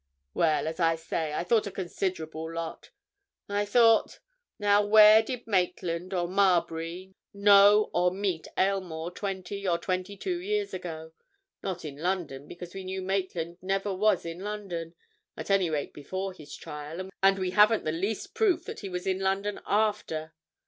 Well, as I say, I thought a considerable lot. I thought—now, where did Maitland, or Marbury, know or meet Aylmore twenty or twenty two years ago? Not in London, because we knew Maitland never was in London—at any rate, before his trial, and we haven't the least proof that he was in London after.